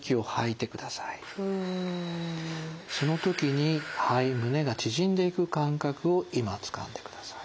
その時に肺・胸が縮んでいく感覚を今つかんでください。